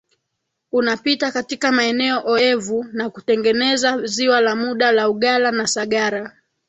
unapita katika maeneo oevu na kutengeneza Ziwa la muda la Ugala na Sagara